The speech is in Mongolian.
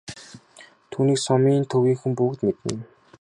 Түүнийг нь сумын төвийнхөн бүгд мэднэ.